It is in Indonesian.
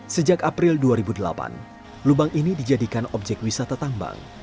sejak april dua ribu delapan lubang ini dijadikan objek wisata tambang